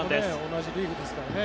同じリーグですからね。